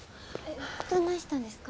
どないしたんですか？